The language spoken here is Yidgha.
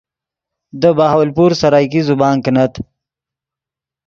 دے بہاولپور سرائیکی زبان کینت